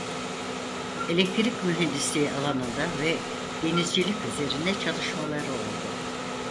Elektrik mühendisliği alanında ve denizcilik üzerine çalışmaları oldu.